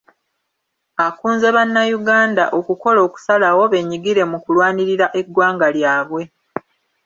Akunze bannayuganda okukola okusalawo bennyigire mu kulwanirira eggwanga lyabwe.